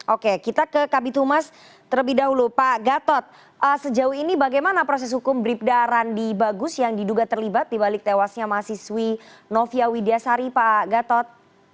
oke kita ke kabitumas terlebih dahulu pak gatot sejauh ini bagaimana proses hukum bribda randi bagus yang diduga terlibat dibalik tewasnya mahasiswi novia widyasari pak gatot